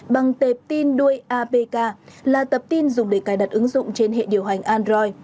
bằng tệp tin đuôi apk là tập tin dùng để cài đặt ứng dụng trên hệ điều hành android